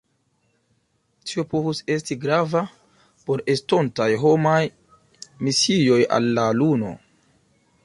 Tio povus esti grava por estontaj homaj misioj al la luno.